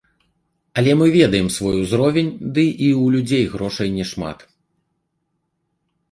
Але мы ведаем свой узровень, ды і ў людзей грошай не шмат.